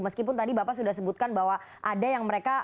meskipun tadi bapak sudah sebutkan bahwa ada yang mereka